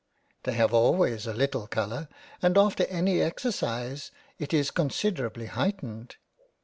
" They have always a little colour, and after any exercise it is considerably heightened."